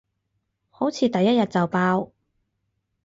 好似第一日就爆